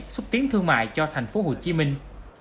xúc tiến thương mại cho thành phố hồ chí minh